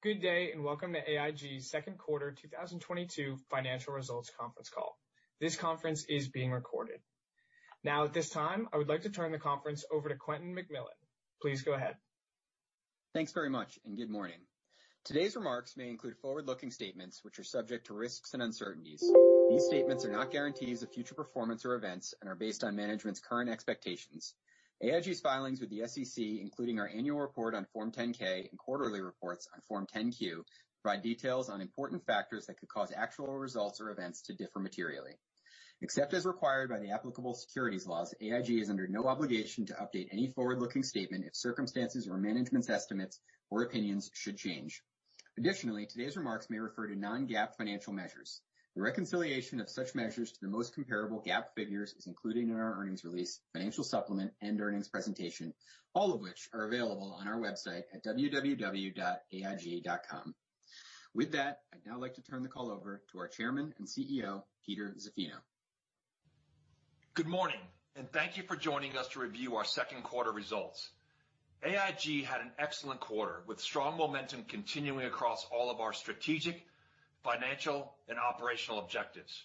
Good day, and welcome to AIG's second quarter 2022 financial results conference call. This conference is being recorded. Now at this time, I would like to turn the conference over to Quentin McMillan. Please go ahead. Thanks very much, and good morning. Today's remarks may include forward-looking statements, which are subject to risks and uncertainties. These statements are not guarantees of future performance or events and are based on management's current expectations. AIG's filings with the SEC, including our annual report on Form 10-K and quarterly reports on Form 10-Q, provide details on important factors that could cause actual results or events to differ materially. Except as required by the applicable securities laws, AIG is under no obligation to update any forward-looking statement if circumstances or management's estimates or opinions should change. Additionally, today's remarks may refer to non-GAAP financial measures. The reconciliation of such measures to the most comparable GAAP figures is included in our earnings release, financial supplement, and earnings presentation, all of which are available on our website at www.aig.com. With that, I'd now like to turn the call over to our Chairman and CEO, Peter Zaffino. Good morning, and thank you for joining us to review our second quarter results. AIG had an excellent quarter, with strong momentum continuing across all of our strategic, financial, and operational objectives.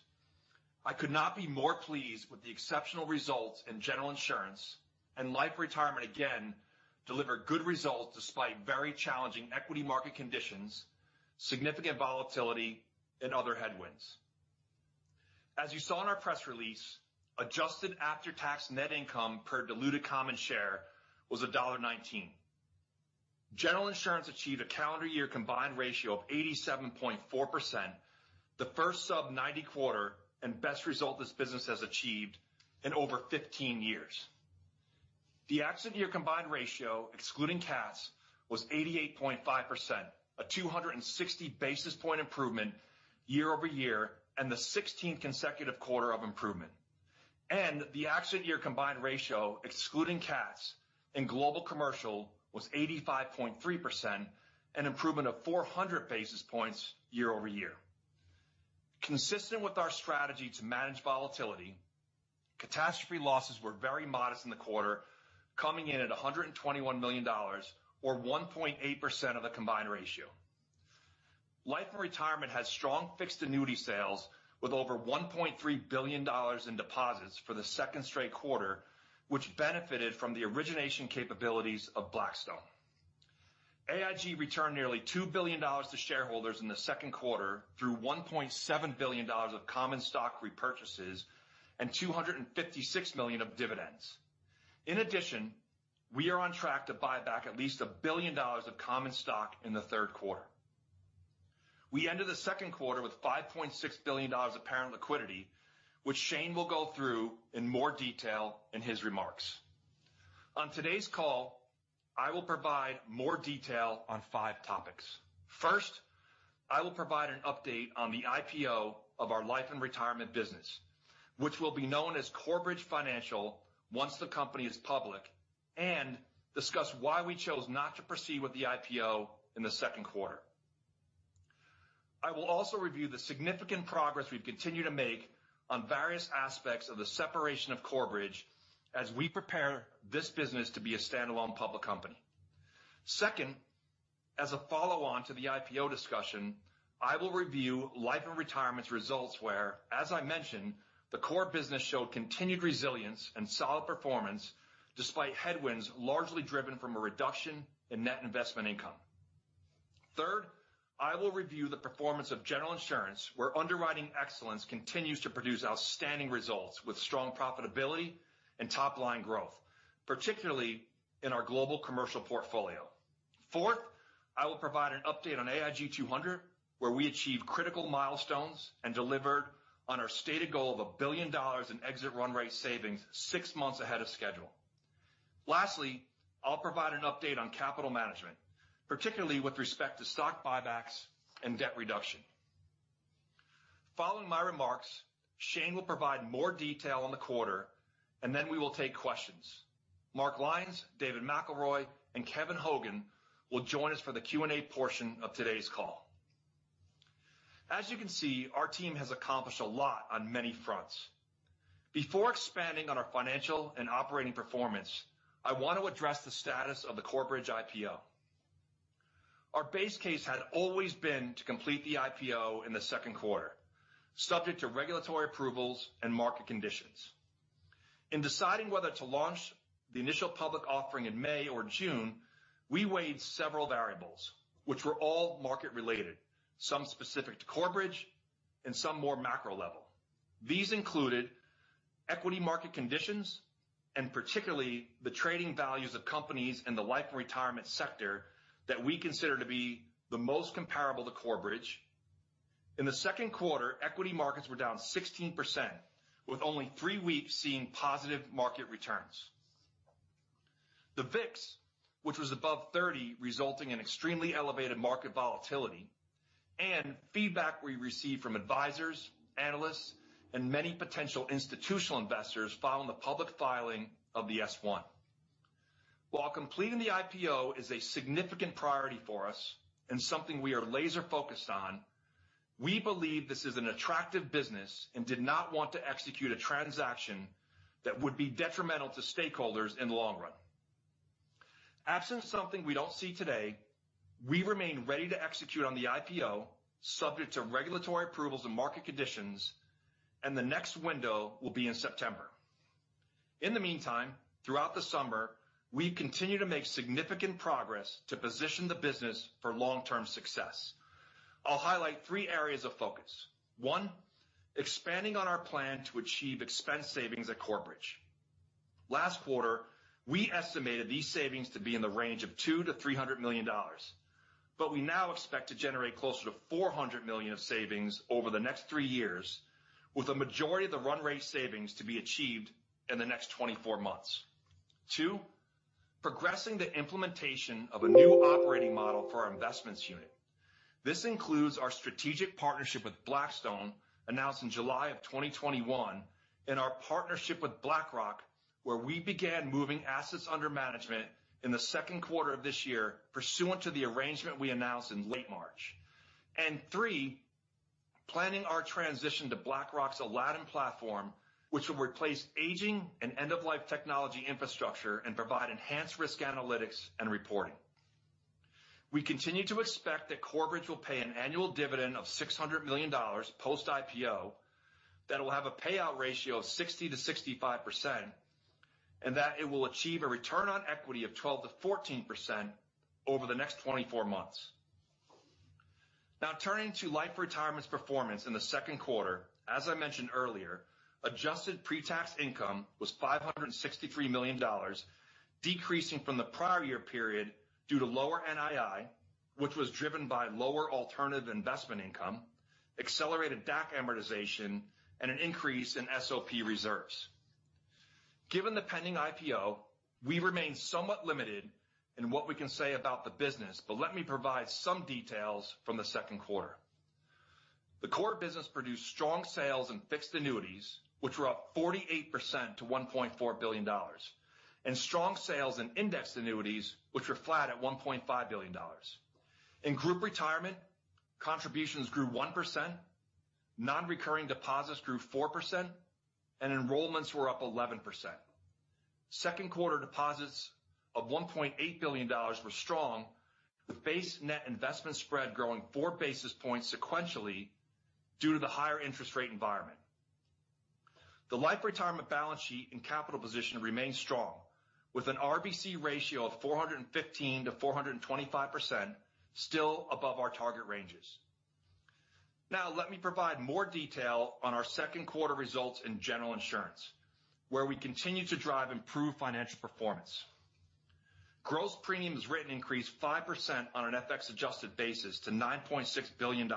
I could not be more pleased with the exceptional results in General Insurance and Life & Retirement. Life & Retirement again delivered good results despite very challenging equity market conditions, significant volatility, and other headwinds. As you saw in our press release, adjusted after-tax net income per diluted common share was $1.19. General Insurance achieved a calendar year combined ratio of 87.4%, the first sub ninety quarter and best result this business has achieved in over 15 years. The accident year combined ratio, excluding CATs, was 88.5%, a 260 basis point improvement year-over-year and the 16th consecutive quarter of improvement. The accident year combined ratio, excluding CATs, in Global Commercial was 85.3%, an improvement of 400 basis points year-over-year. Consistent with our strategy to manage volatility, catastrophe losses were very modest in the quarter, coming in at $121 million or 1.8% of the combined ratio. Life & Retirement had strong fixed annuity sales with over $1.3 billion in deposits for the second straight quarter, which benefited from the origination capabilities of Blackstone. AIG returned nearly $2 billion to shareholders in the second quarter through $1.7 billion of common stock repurchases and $256 million of dividends. In addition, we are on track to buy back at least $1 billion of common stock in the third quarter. We ended the second quarter with $5.6 billion of parent liquidity, which Shane will go through in more detail in his remarks. On today's call, I will provide more detail on five topics. First, I will provide an update on the IPO of our Life & Retirement business, which will be known as Corebridge Financial once the company is public, and discuss why we chose not to proceed with the IPO in the second quarter. I will also review the significant progress we've continued to make on various aspects of the separation of Corebridge as we prepare this business to be a standalone public company. Second, as a follow-on to the IPO discussion, I will review Life & Retirement's results where, as I mentioned, the core business showed continued resilience and solid performance despite headwinds, largely driven from a reduction in net investment income. Third, I will review the performance of General Insurance, where underwriting excellence continues to produce outstanding results with strong profitability and top-line growth, particularly in our global commercial portfolio. Fourth, I will provide an update on AIG 200, where we achieved critical milestones and delivered on our stated goal of $1 billion in exit run rate savings six months ahead of schedule. Lastly, I'll provide an update on capital management, particularly with respect to stock buybacks and debt reduction. Following my remarks, Shane will provide more detail on the quarter, and then we will take questions. Mark Lyons, David McElroy, and Kevin Hogan will join us for the Q&A portion of today's call. As you can see, our team has accomplished a lot on many fronts. Before expanding on our financial and operating performance, I want to address the status of the Corebridge IPO. Our base case had always been to complete the IPO in the second quarter, subject to regulatory approvals and market conditions. In deciding whether to launch the initial public offering in May or June, we weighed several variables, which were all market-related, some specific to Corebridge and some more macro level. These included equity market conditions and particularly the trading values of companies in the Life & Retirement sector that we consider to be the most comparable to Corebridge. In the second quarter, equity markets were down 16%, with only three weeks seeing positive market returns. The VIX, which was above 30, resulting in extremely elevated market volatility and feedback we received from advisors, analysts, and many potential institutional investors following the public filing of the S-1. While completing the IPO is a significant priority for us and something we are laser-focused on. We believe this is an attractive business and did not want to execute a transaction that would be detrimental to stakeholders in the long run. Absent something we don't see today, we remain ready to execute on the IPO subject to regulatory approvals and market conditions, and the next window will be in September. In the meantime, throughout the summer, we continue to make significant progress to position the business for long-term success. I'll highlight three areas of focus. One, expanding on our plan to achieve expense savings at Corebridge. Last quarter, we estimated these savings to be in the range of $200 million-$300 million, but we now expect to generate closer to $400 million of savings over the next 3 years, with the majority of the run rate savings to be achieved in the next 24 months. Two, progressing the implementation of a new operating model for our investments unit. This includes our strategic partnership with Blackstone, announced in July 2021, and our partnership with BlackRock, where we began moving assets under management in the second quarter of this year pursuant to the arrangement we announced in late March. Three, planning our transition to BlackRock's Aladdin platform, which will replace aging and end-of-life technology infrastructure and provide enhanced risk analytics and reporting. We continue to expect that Corebridge will pay an annual dividend of $600 million post-IPO that will have a payout ratio of 60%-65%, and that it will achieve a return on equity of 12%-14% over the next 24 months. Now, turning to Life & Retirement's performance in the second quarter. As I mentioned earlier, adjusted pre-tax income was $563 million, decreasing from the prior year period due to lower NII, which was driven by lower alternative investment income, accelerated DAC amortization, and an increase in SOP reserves. Given the pending IPO, we remain somewhat limited in what we can say about the business, but let me provide some details from the second quarter. The core business produced strong sales in fixed annuities, which were up 48% to $1.4 billion, and strong sales in indexed annuities, which were flat at $1.5 billion. In group retirement, contributions grew 1%, non-recurring deposits grew 4%, and enrollments were up 11%. Second quarter deposits of $1.8 billion were strong, with base net investment spread growing 4 basis points sequentially due to the higher interest rate environment. The Life & Retirement balance sheet and capital position remain strong, with an RBC ratio of 415%-425% still above our target ranges. Now, let me provide more detail on our second quarter results in General Insurance, where we continue to drive improved financial performance. Gross premiums written increased 5% on an FX-adjusted basis to $9.6 billion,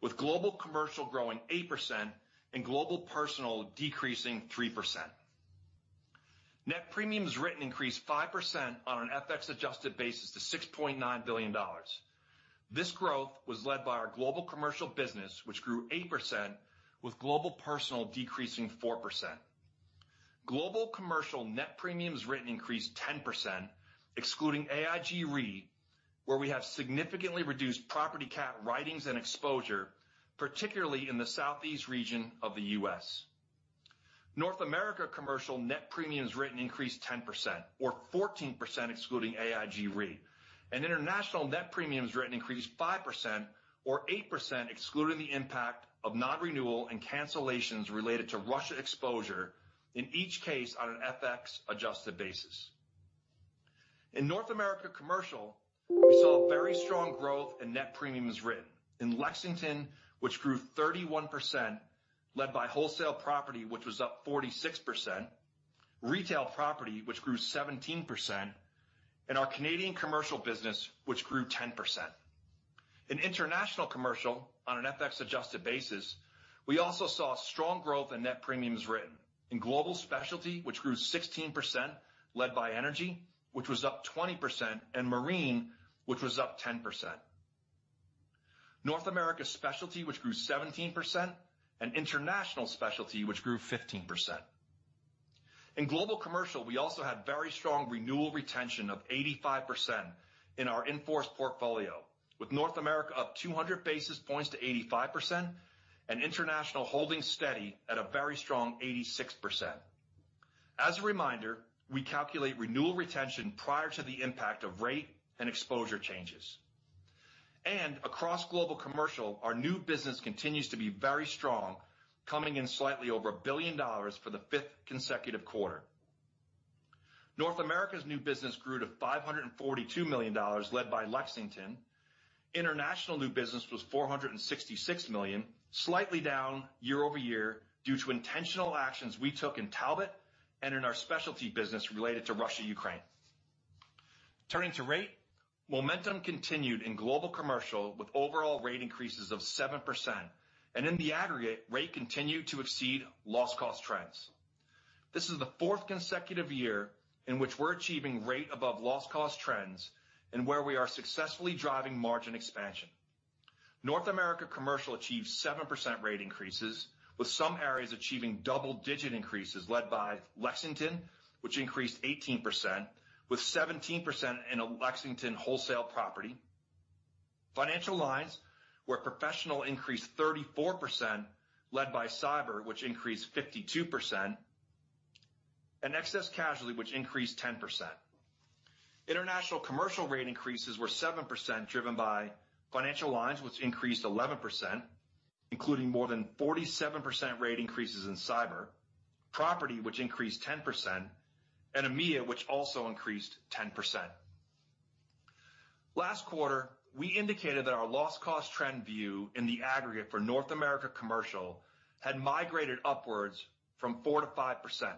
with Global Commercial growing 8% and Global Personal decreasing 3%. Net premiums written increased 5% on an FX-adjusted basis to $6.9 billion. This growth was led by our Global Commercial business, which grew 8%, with Global Personal decreasing 4%. Global Commercial net premiums written increased 10%, excluding AIG Re, where we have significantly reduced property CAT writings and exposure, particularly in the Southeast region of the U.S. North America Commercial net premiums written increased 10%, or 14% excluding AIG Re. International net premiums written increased 5%, or 8% excluding the impact of non-renewal and cancellations related to Russia exposure, in each case on an FX-adjusted basis. In North America Commercial, we saw a very strong growth in net premiums written. In Lexington, which grew 31%, led by wholesale property, which was up 46%, retail property, which grew 17%, and our Canadian commercial business, which grew 10%. In International Commercial, on an FX-adjusted basis, we also saw strong growth in net premiums written. In Global Specialty, which grew 16%, led by energy, which was up 20%, and marine, which was up 10%. North America Specialty, which grew 17%, and International Specialty, which grew 15%. In Global Commercial, we also had very strong renewal retention of 85% in our in-force portfolio, with North America up 200 basis points to 85% and International holding steady at a very strong 86%. As a reminder, we calculate renewal retention prior to the impact of rate and exposure changes. Across Global Commercial, our new business continues to be very strong, coming in slightly over $1 billion for the fifth consecutive quarter. North America's new business grew to $542 million, led by Lexington. International new business was $466 million, slightly down year-over-year due to intentional actions we took in Talbot and in our specialty business related to Russia-Ukraine. Turning to rate, momentum continued in Global Commercial with overall rate increases of 7%, and in the aggregate, rate continued to exceed loss cost trends. This is the fourth consecutive year in which we're achieving rate above loss cost trends and where we are successfully driving margin expansion. North America Commercial achieved 7% rate increases, with some areas achieving double-digit increases led by Lexington, which increased 18%, with 17% in a Lexington wholesale property. Financial Lines were professional increase 34%, led by cyber, which increased 52%, and excess casualty, which increased 10%. International Commercial rate increases were 7%, driven by Financial Lines, which increased 11%, including more than 47% rate increases in cyber, property, which increased 10%, and EMEA, which also increased 10%. Last quarter, we indicated that our loss cost trend view in the aggregate for North America Commercial had migrated upwards from 4%-5%,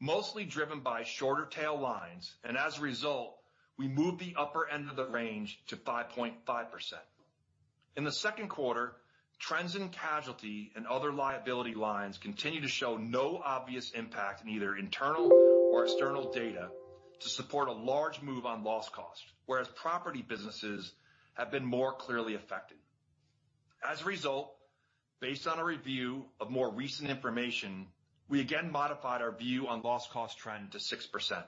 mostly driven by shorter tail lines. As a result, we moved the upper end of the range to 5.5%. In the second quarter, trends in casualty and other liability lines continue to show no obvious impact in either internal or external data to support a large move on loss cost. Whereas property businesses have been more clearly affected. As a result, based on a review of more recent information, we again modified our view on loss cost trend to 6%.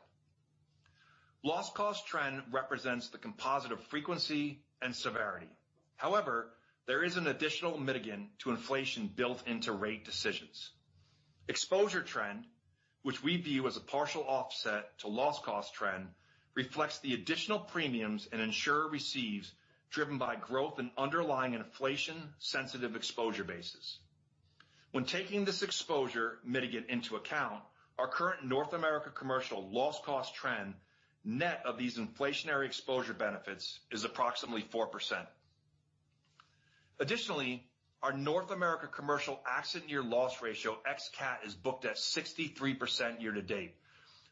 Loss cost trend represents the composite of frequency and severity. However, there is an additional mitigant to inflation built into rate decisions. Exposure trend, which we view as a partial offset to loss cost trend, reflects the additional premiums an insurer receives, driven by growth in underlying and inflation-sensitive exposure bases. When taking this exposure mitigant into account, our current North America Commercial loss cost trend, net of these inflationary exposure benefits, is approximately 4%. Additionally, our North America Commercial accident year loss ratio ex CAT is booked at 63% year to date,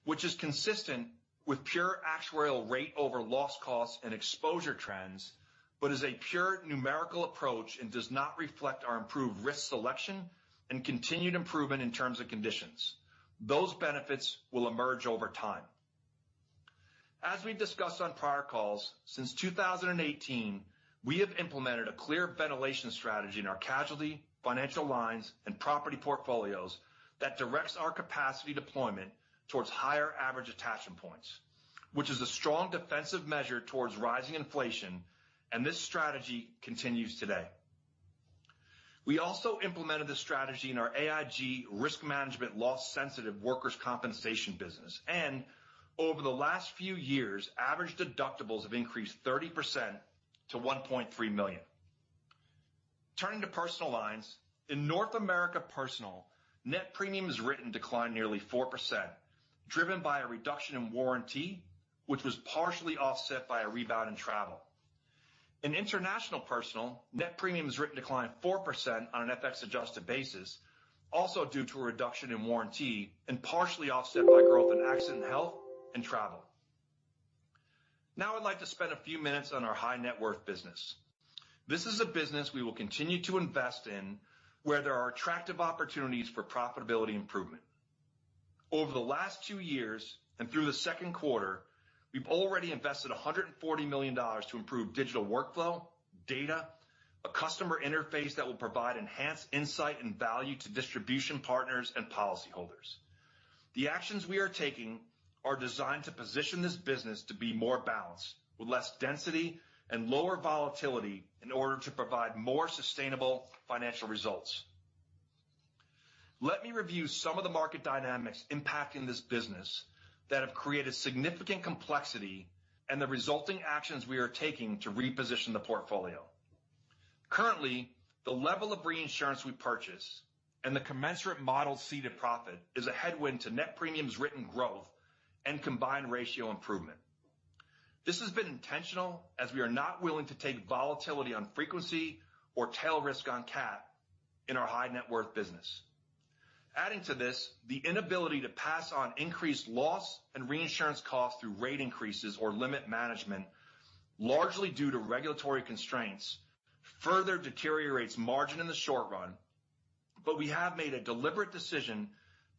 which is consistent with pure actuarial rate over loss costs and exposure trends, but is a pure numerical approach and does not reflect our improved risk selection and continued improvement in terms of conditions. Those benefits will emerge over time. As we've discussed on prior calls, since 2018, we have implemented a clear ventilation strategy in our casualty, Financial Lines, and property portfolios that directs our capacity deployment towards higher average attachment points, which is a strong defensive measure towards rising inflation, and this strategy continues today. We also implemented this strategy in our AIG Risk Management loss-sensitive workers' compensation business. Over the last few years, average deductibles have increased 30% to $1.3 million. Turning to personal lines. In North America Personal, net premiums written declined nearly 4%, driven by a reduction in warranty, which was partially offset by a rebound in travel. In International Personal, net premiums written declined 4% on an FX-adjusted basis, also due to a reduction in warranty and partially offset by growth in accident health and travel. Now I'd like to spend a few minutes on our high net worth business. This is a business we will continue to invest in, where there are attractive opportunities for profitability improvement. Over the last two years and through the second quarter, we've already invested $140 million to improve digital workflow, data, a customer interface that will provide enhanced insight and value to distribution partners and policyholders. The actions we are taking are designed to position this business to be more balanced with less density and lower volatility in order to provide more sustainable financial results. Let me review some of the market dynamics impacting this business that have created significant complexity and the resulting actions we are taking to reposition the portfolio. Currently, the level of reinsurance we purchase and the commensurate modeled ceded profit is a headwind to net premiums written growth and combined ratio improvement. This has been intentional as we are not willing to take volatility on frequency or tail risk on CAT in our high net worth business. Adding to this, the inability to pass on increased loss and reinsurance costs through rate increases or limit management, largely due to regulatory constraints, further deteriorates margin in the short run, but we have made a deliberate decision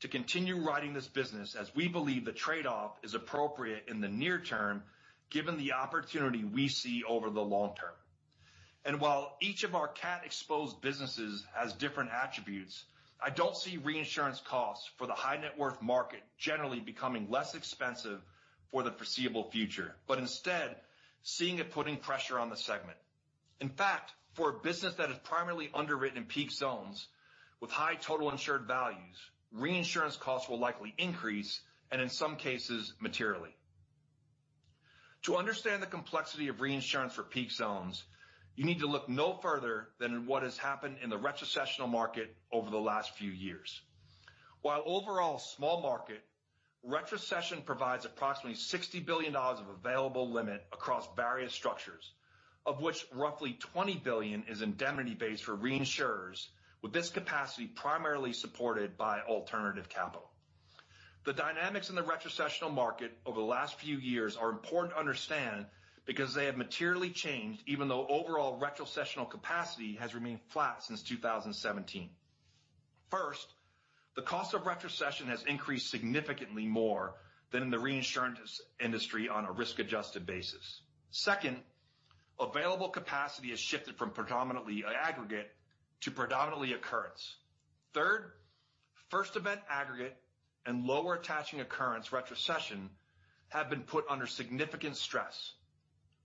to continue writing this business as we believe the trade-off is appropriate in the near term, given the opportunity we see over the long term. While each of our CAT-exposed businesses has different attributes, I don't see reinsurance costs for the high net worth market generally becoming less expensive for the foreseeable future, but instead seeing it putting pressure on the segment. In fact, for a business that is primarily underwritten in peak zones with high total insured values, reinsurance costs will likely increase, and in some cases, materially. To understand the complexity of reinsurance for peak zones, you need to look no further than what has happened in the retrocessional market over the last few years. While overall small market, retrocession provides approximately $60 billion of available limit across various structures, of which roughly $20 billion is indemnity-based for reinsurers, with this capacity primarily supported by alternative capital. The dynamics in the retrocessional market over the last few years are important to understand because they have materially changed, even though overall retrocessional capacity has remained flat since 2017. First, the cost of retrocession has increased significantly more than in the reinsurance industry on a risk-adjusted basis. Second, available capacity has shifted from predominantly aggregate to predominantly occurrence. Third, first event aggregate and lower attaching occurrence retrocession have been put under significant stress.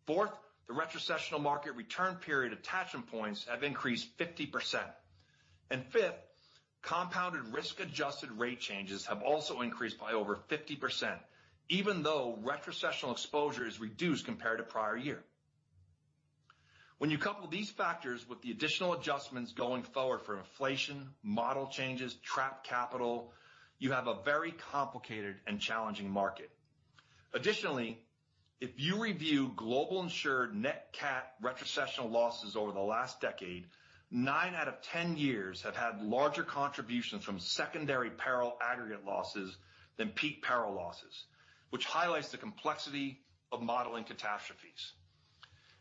Fourth, the retrocessional market return period attachment points have increased 50%. Fifth, compounded risk-adjusted rate changes have also increased by over 50%, even though retrocessional exposure is reduced compared to prior year. When you couple these factors with the additional adjustments going forward for inflation, model changes, trap capital, you have a very complicated and challenging market. Additionally, if you review global insured net CAT retrocessional losses over the last decade, nine out of ten years have had larger contributions from secondary peril aggregate losses than peak peril losses, which highlights the complexity of modeling catastrophes.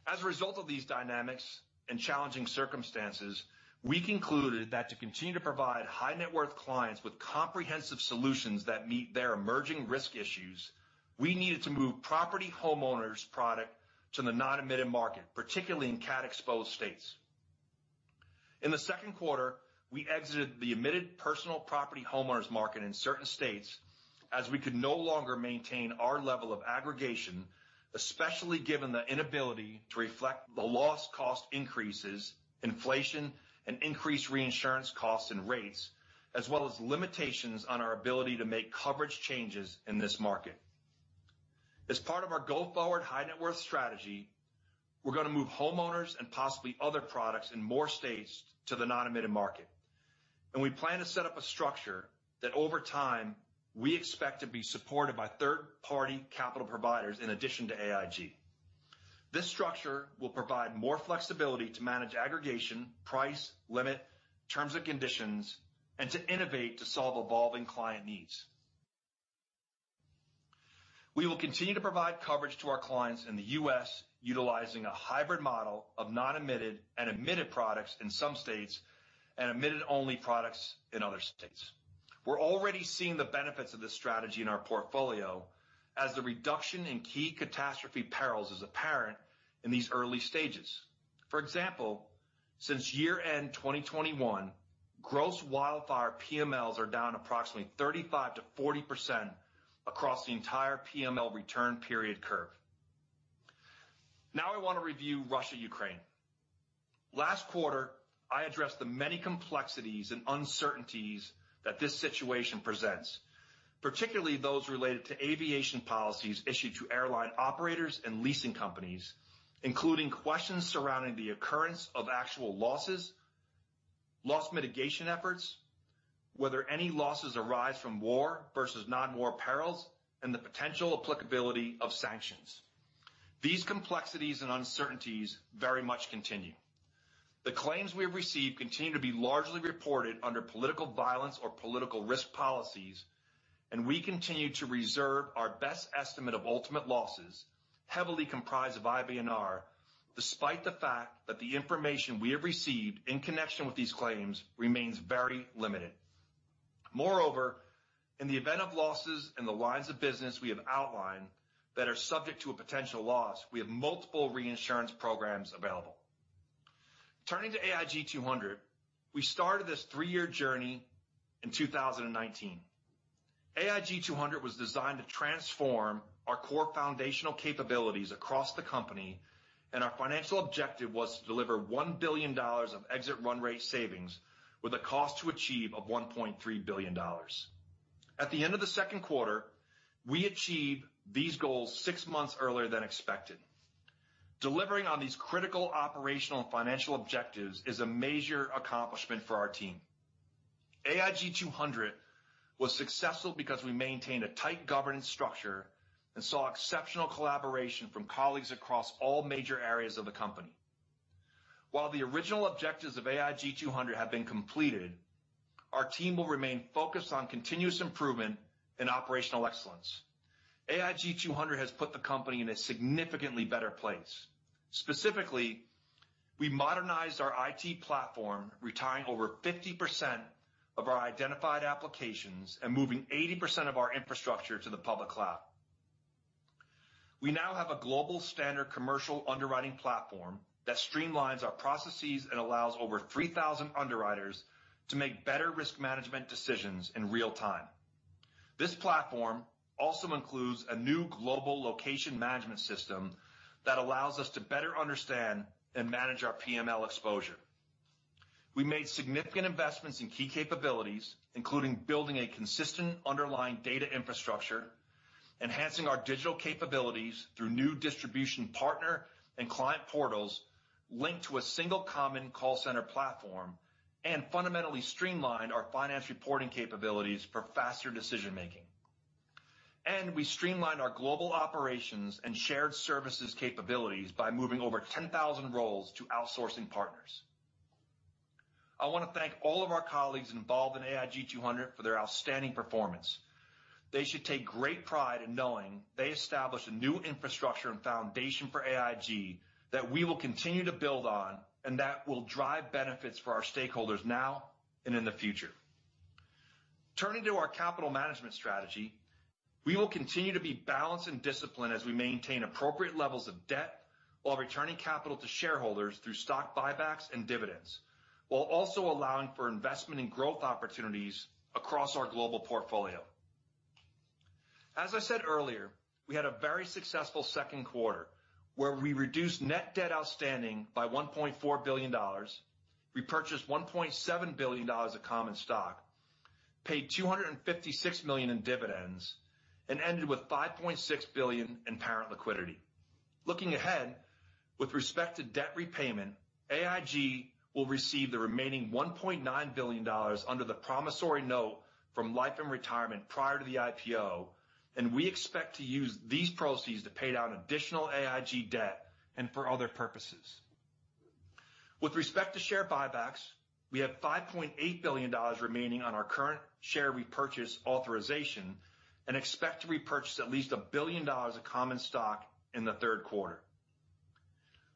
As a result of these dynamics and challenging circumstances, we concluded that to continue to provide high net worth clients with comprehensive solutions that meet their emerging risk issues, we needed to move property homeowners product to the non-admitted market, particularly in CAT-exposed states. In the second quarter, we exited the admitted personal property homeowners market in certain states as we could no longer maintain our level of aggregation, especially given the inability to reflect the loss cost increases, inflation, and increased reinsurance costs and rates, as well as limitations on our ability to make coverage changes in this market. As part of our go-forward high net worth strategy, we're going to move homeowners and possibly other products in more states to the non-admitted market, and we plan to set up a structure that over time, we expect to be supported by third-party capital providers in addition to AIG. This structure will provide more flexibility to manage aggregation, price, limit, terms and conditions, and to innovate to solve evolving client needs. We will continue to provide coverage to our clients in the U.S. utilizing a hybrid model of non-admitted and admitted products in some states and admitted only products in other states. We're already seeing the benefits of this strategy in our portfolio as the reduction in key catastrophe perils is apparent in these early stages. For example, since year-end 2021, gross wildfire PMLs are down approximately 35%-40% across the entire PML return period curve. Now I want to review Russia-Ukraine. Last quarter, I addressed the many complexities and uncertainties that this situation presents, particularly those related to aviation policies issued to airline operators and leasing companies, including questions surrounding the occurrence of actual losses, loss mitigation efforts, whether any losses arise from war versus non-war perils, and the potential applicability of sanctions. These complexities and uncertainties very much continue. The claims we have received continue to be largely reported under political violence or political risk policies, and we continue to reserve our best estimate of ultimate losses, heavily comprised of IBNR, despite the fact that the information we have received in connection with these claims remains very limited. Moreover, in the event of losses in the lines of business we have outlined that are subject to a potential loss, we have multiple reinsurance programs available. Turning to AIG 200, we started this three year journey in 2019. AIG 200 was designed to transform our core foundational capabilities across the company, and our financial objective was to deliver $1 billion of exit run rate savings with a cost to achieve of $1.3 billion. At the end of the second quarter, we achieved these goals six months earlier than expected. Delivering on these critical operational and financial objectives is a major accomplishment for our team. AIG 200 was successful because we maintained a tight governance structure and saw exceptional collaboration from colleagues across all major areas of the company. While the original objectives of AIG 200 have been completed, our team will remain focused on continuous improvement and operational excellence. AIG 200 has put the company in a significantly better place. Specifically, we modernized our IT platform, retiring over 50% of our identified applications and moving 80% of our infrastructure to the public cloud. We now have a global standard commercial underwriting platform that streamlines our processes and allows over 3,000 underwriters to make better risk management decisions in real time. This platform also includes a new global location management system that allows us to better understand and manage our PML exposure. We made significant investments in key capabilities, including building a consistent underlying data infrastructure, enhancing our digital capabilities through new distribution partner and client portals linked to a single common call center platform, and fundamentally streamlined our finance reporting capabilities for faster decision-making. We streamlined our global operations and shared services capabilities by moving over 10,000 roles to outsourcing partners. I want to thank all of our colleagues involved in AIG 200 for their outstanding performance. They should take great pride in knowing they established a new infrastructure and foundation for AIG that we will continue to build on and that will drive benefits for our stakeholders now and in the future. Turning to our capital management strategy. We will continue to be balanced and disciplined as we maintain appropriate levels of debt while returning capital to shareholders through stock buybacks and dividends, while also allowing for investment in growth opportunities across our global portfolio. As I said earlier, we had a very successful second quarter, where we reduced net debt outstanding by $1.4 billion. We purchased $1.7 billion of common stock, paid $256 million in dividends, and ended with $5.6 billion in parent liquidity. Looking ahead, with respect to debt repayment, AIG will receive the remaining $1.9 billion under the promissory note from Life & Retirement prior to the IPO, and we expect to use these proceeds to pay down additional AIG debt and for other purposes. With respect to share buybacks, we have $5.8 billion remaining on our current share repurchase authorization and expect to repurchase at least $1 billion of common stock in the third quarter.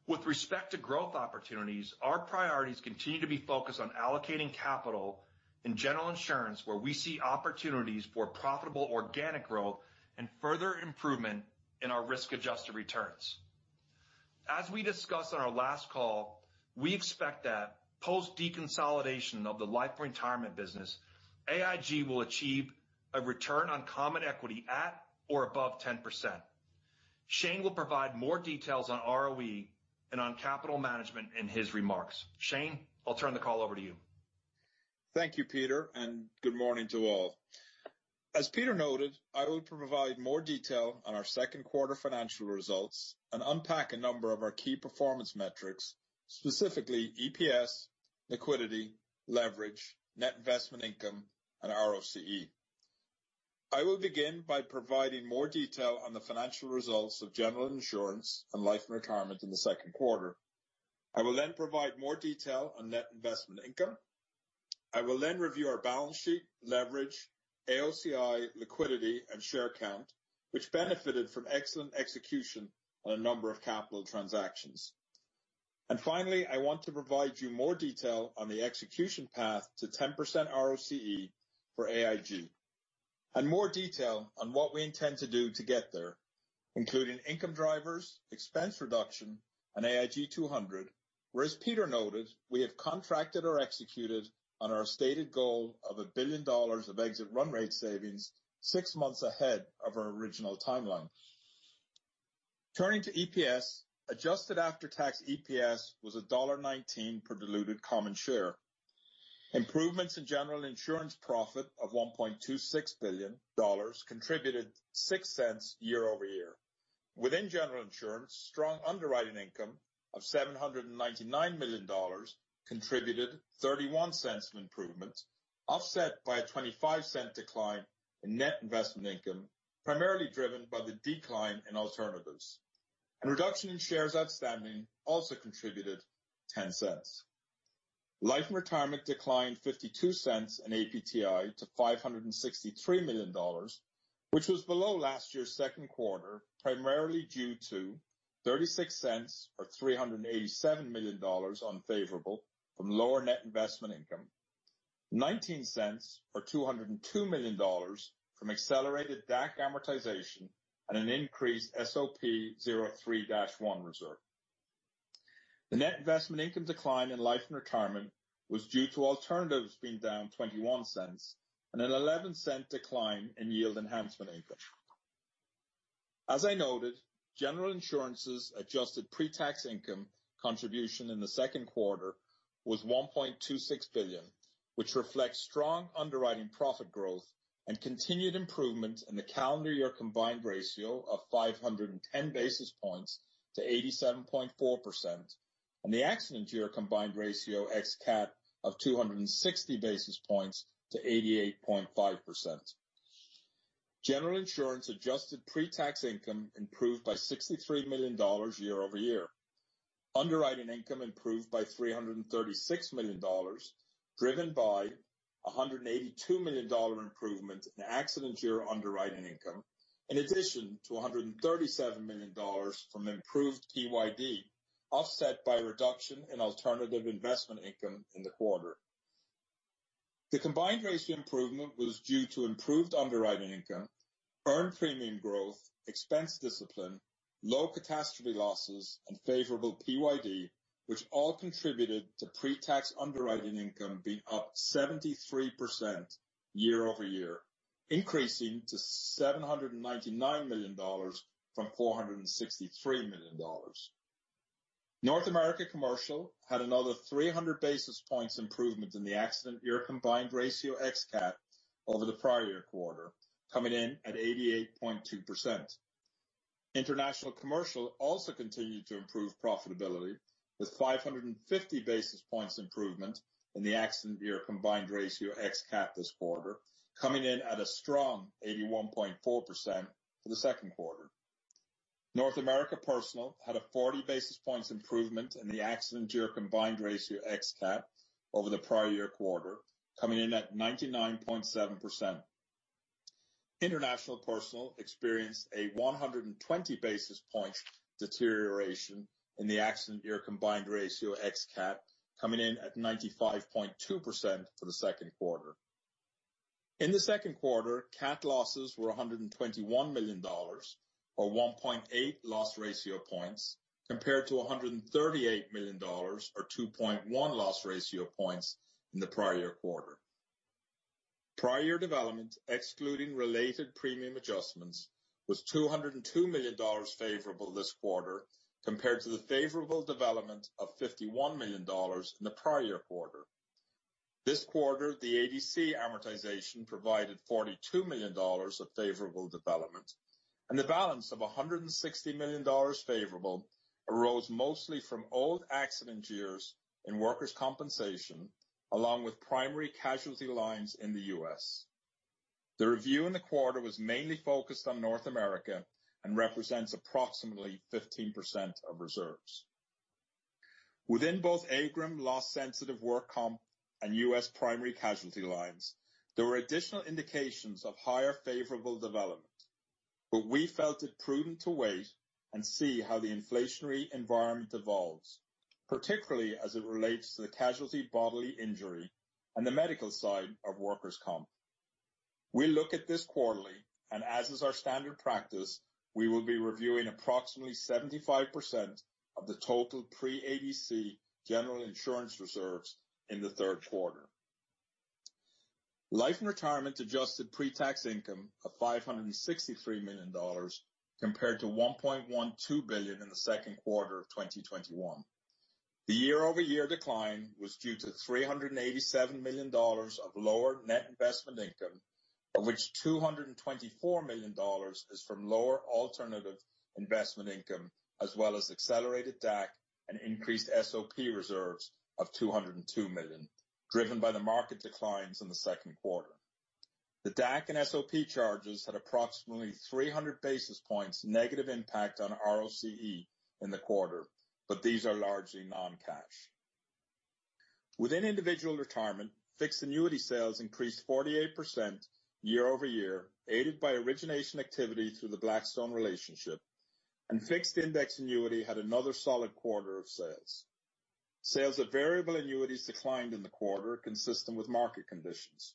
With respect to growth opportunities, our priorities continue to be focused on allocating capital in General Insurance, where we see opportunities for profitable organic growth and further improvement in our risk-adjusted returns. As we discussed on our last call, we expect that post deconsolidation of the Life & Retirement business, AIG will achieve a return on common equity at or above 10%. Shane will provide more details on ROE and on capital management in his remarks. Shane, I'll turn the call over to you. Thank you, Peter, and good morning to all. As Peter noted, I will provide more detail on our second quarter financial results and unpack a number of our key performance metrics, specifically EPS, liquidity, leverage, net investment income, and ROCE. I will begin by providing more detail on the financial results of General Insurance and Life & Retirement in the second quarter. I will then provide more detail on net investment income. I will then review our balance sheet leverage, AOCI, liquidity, and share count, which benefited from excellent execution on a number of capital transactions. Finally, I want to provide you more detail on the execution path to 10% ROCE for AIG. More detail on what we intend to do to get there, including income drivers, expense reduction, and AIG 200, where, as Peter noted, we have contracted or executed on our stated goal of $1 billion of exit run rate savings six months ahead of our original timeline. Turning to EPS, adjusted after-tax EPS was $1.19 per diluted common share. Improvements in General Insurance profit of $1.26 billion contributed $0.06 year-over-year. Within General Insurance, strong underwriting income of $799 million contributed $0.31 of improvements, offset by a $0.25 decline in net investment income, primarily driven by the decline in alternatives. A reduction in shares outstanding also contributed $0.10. Life & Retirement declined $0.52 in APTI to $563 million, which was below last year's second quarter, primarily due to $0.36 or $387 million unfavorable from lower net investment income. $0.19 or $202 million from accelerated DAC amortization and an increased SOP 03-1 reserve. The net investment income decline in Life & Retirement was due to alternatives being down $0.21 and an $0.11 decline in yield enhancement income. As I noted, General Insurance's adjusted pre-tax income contribution in the second quarter was $1.26 billion, which reflects strong underwriting profit growth and continued improvements in the calendar year combined ratio of 510 basis points to 87.4%, and the accident year combined ratio ex-CAT of 260 basis points to 88.5%. General Insurance adjusted pre-tax income improved by $63 million year-over-year. Underwriting income improved by $336 million, driven by a $182 million improvement in accident year underwriting income, in addition to $137 million from improved PYD, offset by a reduction in alternative investment income in the quarter. The combined ratio improvement was due to improved underwriting income, earned premium growth, expense discipline, low catastrophe losses, and favorable PYD, which all contributed to pre-tax underwriting income being up 73% year-over-year, increasing to $799 million from $463 million. North America Commercial had another 300 basis points improvement in the accident year combined ratio ex-CAT over the prior year quarter, coming in at 88.2%. International Commercial also continued to improve profitability with 550 basis points improvement in the accident year combined ratio ex-CAT this quarter, coming in at a strong 81.4% for the second quarter. North America Personal had a 40 basis points improvement in the accident year combined ratio ex-CAT over the prior year quarter, coming in at 99.7%. International Personal experienced a 120 basis points deterioration in the accident year combined ratio ex-CAT, coming in at 95.2% for the second quarter. In the second quarter, cat losses were $121 million or 1.8 loss ratio points compared to $138 million or 2.1 loss ratio points in the prior quarter. Prior year development, excluding related premium adjustments, was $202 million favorable this quarter compared to the favorable development of $51 million in the prior quarter. This quarter, the ADC amortization provided $42 million of favorable development, and the balance of $160 million favorable arose mostly from old accident years in workers' compensation, along with primary casualty lines in the U.S. The review in the quarter was mainly focused on North America and represents approximately 15% of reserves. Within both AIGRM loss sensitive work comp and U.S. primary casualty lines, there were additional indications of higher favorable development. We felt it prudent to wait and see how the inflationary environment evolves, particularly as it relates to the casualty bodily injury and the medical side of workers' comp. We look at this quarterly, and as is our standard practice, we will be reviewing approximately 75% of the total pre-ADC general insurance reserves in the third quarter. Life & Retirement adjusted pre-tax income of $563 million compared to $1.12 billion in the second quarter of 2021. The year-over-year decline was due to $387 million of lower net investment income, of which $224 million is from lower alternative investment income, as well as accelerated DAC and increased SOP reserves of $202 million, driven by the market declines in the second quarter. The DAC and SOP charges had approximately 300 basis points negative impact on ROCE in the quarter, but these are largely non-cash. Within individual retirement, fixed annuity sales increased 48% year-over-year, aided by origination activity through the Blackstone relationship, and fixed index annuity had another solid quarter of sales. Sales of variable annuities declined in the quarter, consistent with market conditions.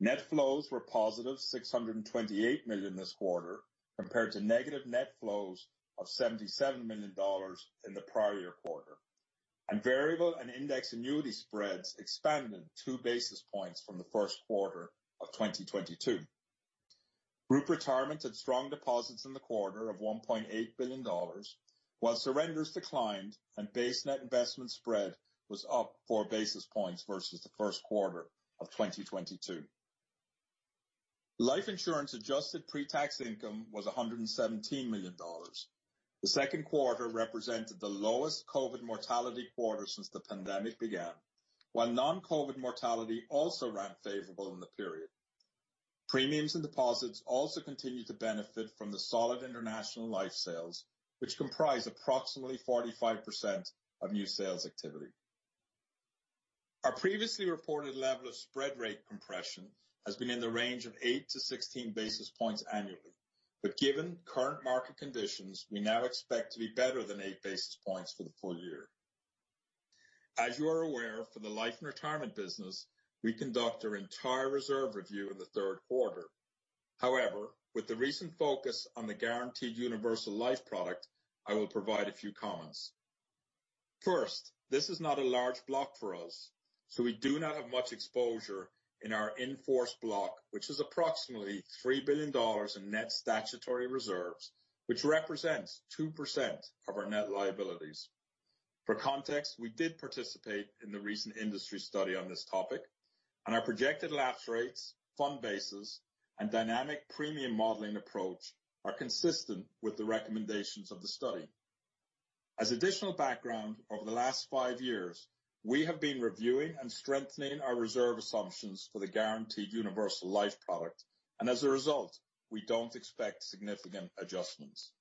Net flows were positive $628 million this quarter compared to negative net flows of $77 million in the prior quarter. Variable and index annuity spreads expanded 2 basis points from the first quarter of 2022. Group retirement had strong deposits in the quarter of $1.8 billion, while surrenders declined and base net investment spread was up 4 basis points versus the first quarter of 2022. Life insurance adjusted pre-tax income was $117 million. The second quarter represented the lowest COVID mortality quarter since the pandemic began, while non-COVID mortality also ran favorable in the period. Premiums and deposits also continued to benefit from the solid international life sales, which comprise approximately 45% of new sales activity. Our previously reported level of spread rate compression has been in the range of 8-16 basis points annually, but given current market conditions, we now expect to be better than 8 basis points for the full year. As you are aware, for the Life & Retirement business, we conduct our entire reserve review in the third quarter. However, with the recent focus on the Guaranteed Universal Life product, I will provide a few comments. First, this is not a large block for us, so we do not have much exposure in our in-force block, which is approximately $3 billion in net statutory reserves, which represents 2% of our net liabilities. For context, we did participate in the recent industry study on this topic, and our projected lapse rates, fund bases, and dynamic premium modeling approach are consistent with the recommendations of the study. As additional background, over the last 5 years, we have been reviewing and strengthening our reserve assumptions for the Guaranteed Universal Life product, and as a result, we don't expect significant adjustments.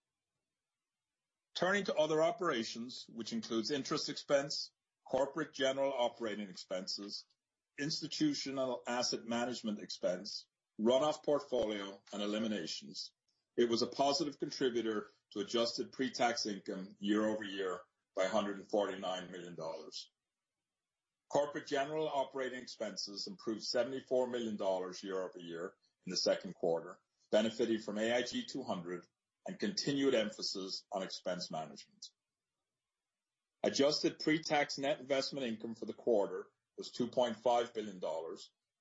Turning to other operations, which includes interest expense, corporate general operating expenses, institutional asset management expense, run-off portfolio, and eliminations, it was a positive contributor to adjusted pre-tax income year-over-year by $149 million. Corporate general operating expenses improved $74 million year-over-year in the second quarter, benefiting from AIG 200 and continued emphasis on expense management. Adjusted pre-tax net investment income for the quarter was $2.5 billion,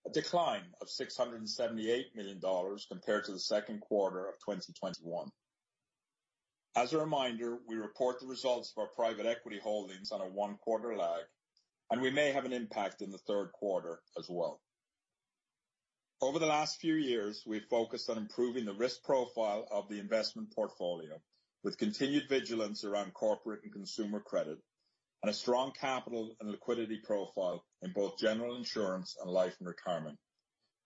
a decline of $678 million compared to the second quarter of 2021. As a reminder, we report the results of our private equity holdings on a one-quarter lag, and we may have an impact in the third quarter as well. Over the last few years, we've focused on improving the risk profile of the investment portfolio with continued vigilance around corporate and consumer credit and a strong capital and liquidity profile in both General Insurance and Life & Retirement,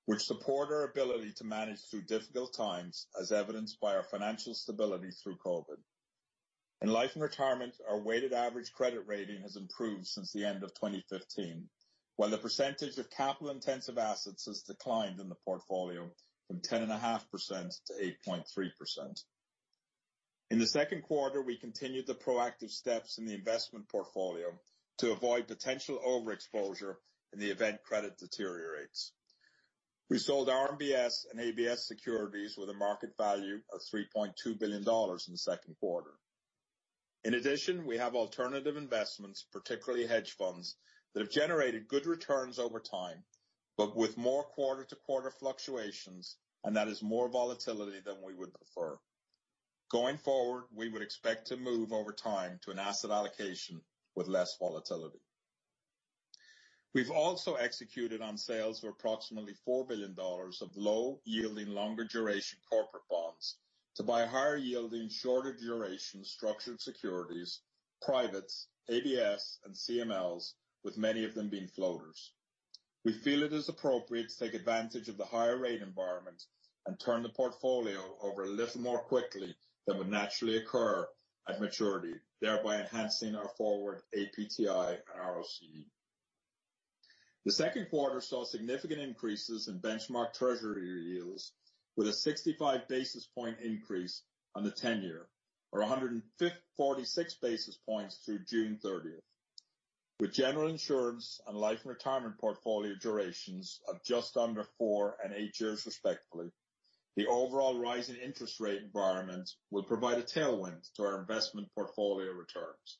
which support our ability to manage through difficult times as evidenced by our financial stability through COVID. In Life & Retirement, our weighted average credit rating has improved since the end of 2015, while the percentage of capital-intensive assets has declined in the portfolio from 10.5% to 8.3%. In the second quarter, we continued the proactive steps in the investment portfolio to avoid potential overexposure in the event credit deteriorates. We sold RMBS and ABS securities with a market value of $3.2 billion in the second quarter. In addition, we have alternative investments, particularly hedge funds, that have generated good returns over time, but with more quarter-to-quarter fluctuations, and that is more volatility than we would prefer. Going forward, we would expect to move over time to an asset allocation with less volatility. We've also executed on sales of approximately $4 billion of low yielding, longer duration corporate bonds to buy higher yielding, shorter duration structured securities, privates, ABS, and CMLs, with many of them being floaters. We feel it is appropriate to take advantage of the higher rate environment and turn the portfolio over a little more quickly than would naturally occur at maturity, thereby enhancing our forward APTI and ROCE. The second quarter saw significant increases in benchmark treasury yields with a 65 basis points increase on the ten year or 146 basis points through June 30th. With General Insurance and Life & Retirement portfolio durations of just under 4 and 8 years respectively, the overall rise in interest rate environments will provide a tailwind to our investment portfolio returns.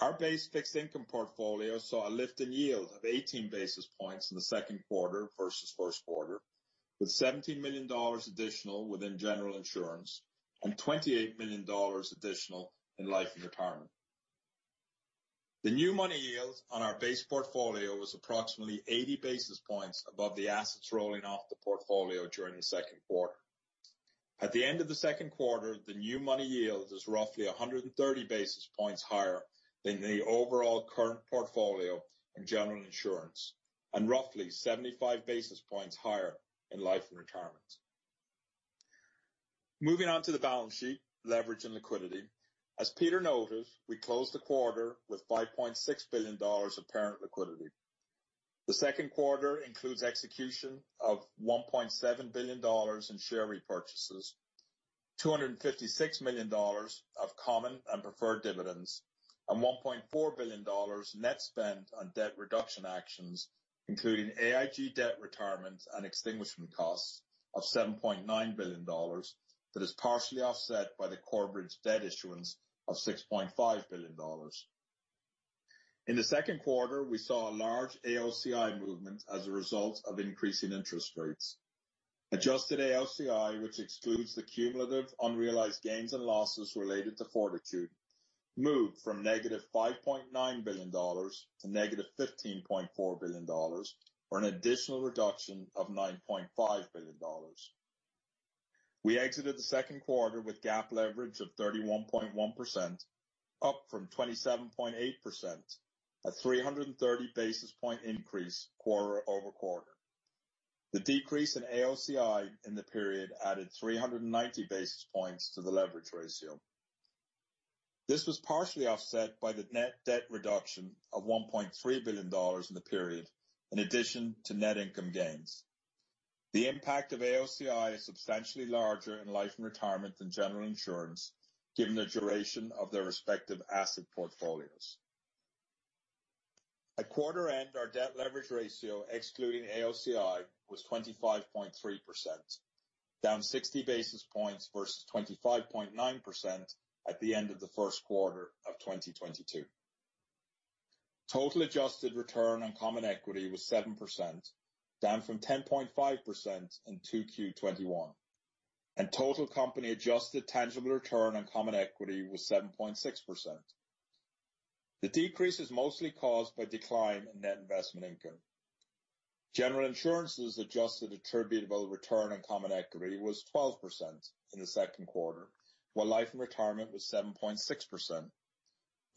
Our base fixed income portfolio saw a lift in yield of 18 basis points in the second quarter versus first quarter, with $17 million additional within General Insurance and $28 million additional in Life & Retirement. The new money yield on our base portfolio was approximately 80 basis points above the assets rolling off the portfolio during the second quarter. At the end of the second quarter, the new money yield is roughly 130 basis points higher than the overall current portfolio in General Insurance, and roughly 75 basis points higher in Life & Retirement. Moving on to the balance sheet, leverage and liquidity. As Peter noted, we closed the quarter with $5.6 billion of parent liquidity. The second quarter includes execution of $1.7 billion in share repurchases, $256 million of common and preferred dividends, and $1.4 billion net spend on debt reduction actions, including AIG debt retirements and extinguishment costs of $7.9 billion that is partially offset by the Corebridge debt issuance of $6.5 billion. In the second quarter, we saw a large AOCI movement as a result of increasing interest rates. Adjusted AOCI, which excludes the cumulative unrealized gains and losses related to Fortitude, moved from negative $5.9 billion to negative $15.4 billion, or an additional reduction of $9.5 billion. We exited the second quarter with GAAP leverage of 31.1%, up from 27.8% at 330 basis point increase quarter-over-quarter. The decrease in AOCI in the period added 390 basis points to the leverage ratio. This was partially offset by the net debt reduction of $1.3 billion in the period in addition to net income gains. The impact of AOCI is substantially larger in Life & Retirement than general insurance, given the duration of their respective asset portfolios. At quarter end, our debt leverage ratio, excluding AOCI, was 25.3%, down 60 basis points versus 25.9% at the end of the first quarter of 2022. Total adjusted return on common equity was 7%, down from 10.5% in 2Q 2021. Total company adjusted tangible return on common equity was 7.6%. The decrease is mostly caused by decline in net investment income. General Insurance's adjusted attributable return on common equity was 12% in the second quarter, while Life & Retirement was 7.6%.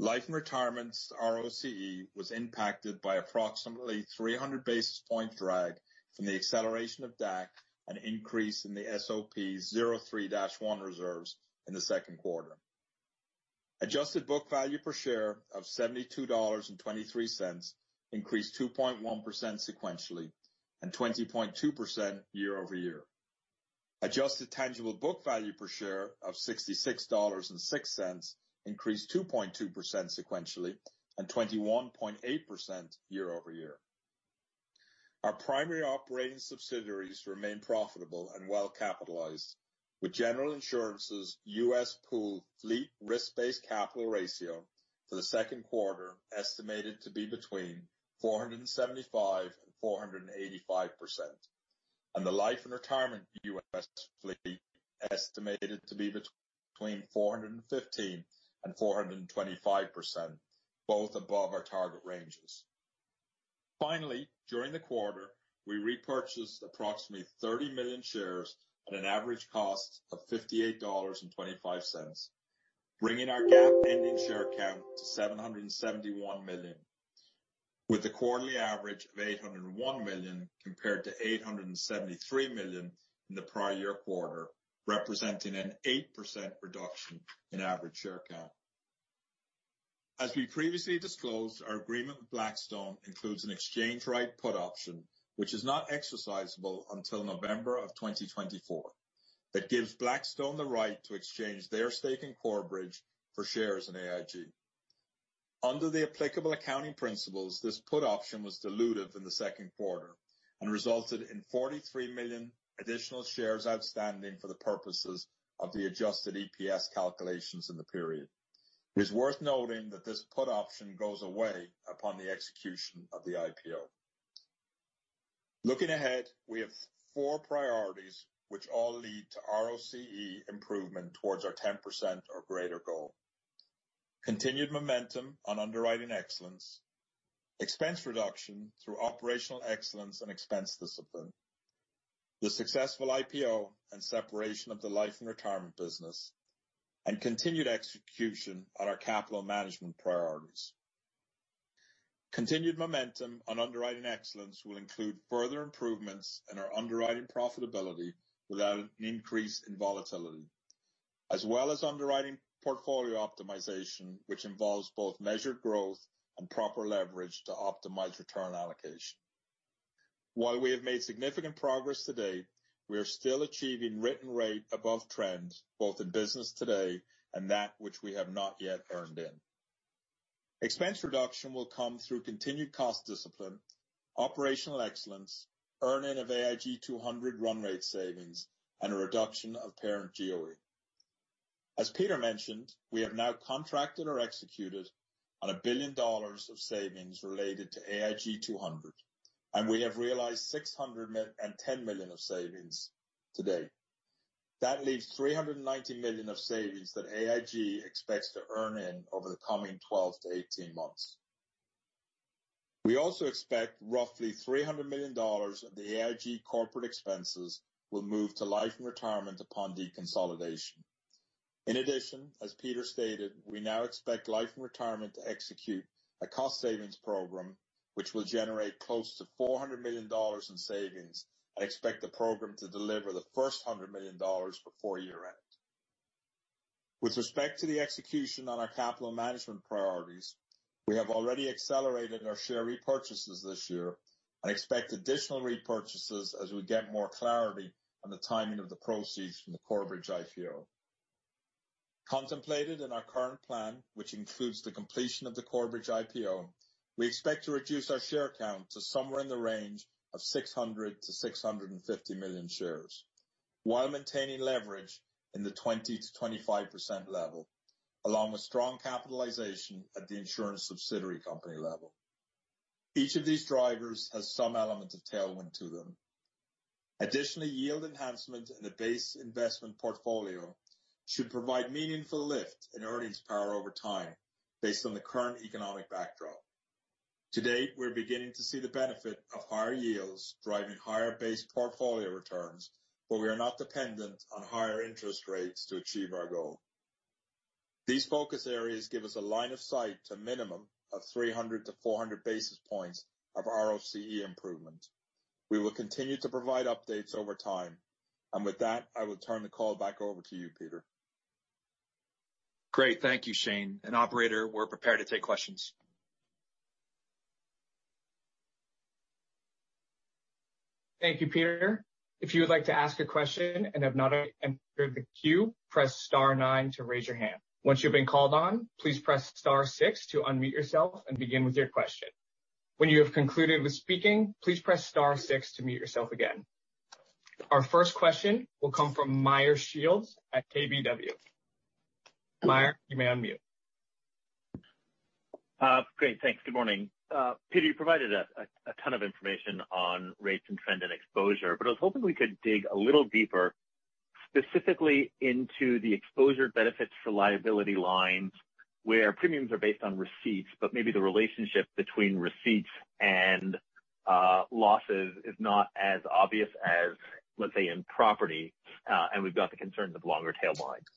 Life & Retirement's ROCE was impacted by approximately 300 basis point drag from the acceleration of DAC and increase in the SOP 03-1 reserves in the second quarter. Adjusted book value per share of $72.23 increased 2.1% sequentially and 20.2% year-over-year. Adjusted tangible book value per share of $66.06 increased 2.2% sequentially and 21.8% year-over-year. Our primary operating subsidiaries remain profitable and well-capitalized, with General Insurance's U.S. pool fleet risk-based capital ratio for the second quarter estimated to be between 475%-485%. The Life & Retirement U.S. fleet estimated to be between 415%-425%, both above our target ranges. Finally, during the quarter, we repurchased approximately 30 million shares at an average cost of $58.25, bringing our GAAP ending share count to 771 million, with a quarterly average of 801 million compared to 873 million in the prior year quarter, representing an 8% reduction in average share count. As we previously disclosed, our agreement with Blackstone includes an exchange right put option, which is not exercisable until November 2024. That gives Blackstone the right to exchange their stake in Corebridge for shares in AIG. Under the applicable accounting principles, this put option was dilutive in the second quarter and resulted in 43 million additional shares outstanding for the purposes of the adjusted EPS calculations in the period. It's worth noting that this put option goes away upon the execution of the IPO. Looking ahead, we have four priorities which all lead to ROCE improvement towards our 10% or greater goal. Continued momentum on underwriting excellence, expense reduction through operational excellence and expense discipline, the successful IPO and separation of the Life & Retirement business, and continued execution on our capital management priorities. Continued momentum on underwriting excellence will include further improvements in our underwriting profitability without an increase in volatility, as well as underwriting portfolio optimization, which involves both measured growth and proper leverage to optimize return allocation. While we have made significant progress to date, we are still achieving written rate above trend, both in business today and that which we have not yet earned in. Expense reduction will come through continued cost discipline, operational excellence, earning of AIG 200 run rate savings, and a reduction of parent GOE. As Peter mentioned, we have now contracted or executed on $1 billion of savings related to AIG 200, and we have realized $610 million of savings today. That leaves $390 million of savings that AIG expects to earn in over the coming 12 to 18 months. We also expect roughly $300 million of the AIG corporate expenses will move to Life & Retirement upon deconsolidation. In addition, as Peter stated, we now expect Life & Retirement to execute a cost savings program which will generate close to $400 million in savings and expect the program to deliver the first $100 million before year-end. With respect to the execution on our capital management priorities, we have already accelerated our share repurchases this year and expect additional repurchases as we get more clarity on the timing of the proceeds from the Corebridge IPO. Contemplated in our current plan, which includes the completion of the Corebridge IPO, we expect to reduce our share count to somewhere in the range of 600-650 million shares while maintaining leverage in the 20%-25% level, along with strong capitalization at the insurance subsidiary company level. Each of these drivers has some element of tailwind to them. Additionally, yield enhancement in the base investment portfolio should provide meaningful lift in earnings power over time based on the current economic backdrop. To date, we're beginning to see the benefit of higher yields driving higher base portfolio returns, but we are not dependent on higher interest rates to achieve our goal. These focus areas give us a line of sight to a minimum of 300-400 basis points of ROCE improvement. We will continue to provide updates over time. With that, I will turn the call back over to you, Peter. Great. Thank you, Shane. Operator, we're prepared to take questions. Thank you, Peter. If you would like to ask a question and have not entered the queue, press star nine to raise your hand. Once you've been called on, please press star six to unmute yourself and begin with your question. When you have concluded with speaking, please press star six to mute yourself again. Our first question will come from Meyer Shields at KBW. Meyer, you may unmute. Great, thanks. Good morning. Peter, you provided a ton of information on rates and trend and exposure, but I was hoping we could dig a little deeper specifically into the exposure benefits for liability lines where premiums are based on receipts, but maybe the relationship between receipts and losses is not as obvious as, let's say, in property, and we've got the concern with longer tail lines.